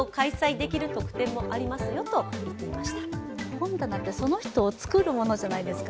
本棚って、その人を作るものじゃないですか。